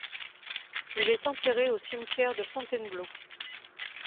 Il est enterré au cimetière de Fontainebleau.